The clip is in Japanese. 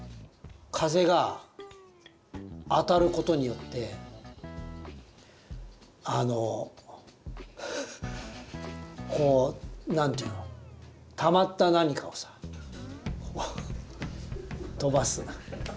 風が当たることによってこう何ていうのたまった何かをさ飛ばす。